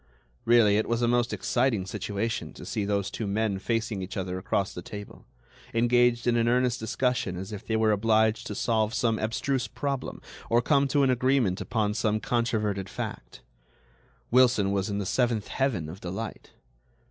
Really, it was a most exciting situation to see those two men facing each other across the table, engaged in an earnest discussion as if they were obliged to solve some abstruse problem or come to an agreement upon some controverted fact. Wilson was in the seventh heaven of delight.